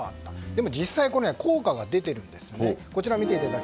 でも、実際に効果が出ています。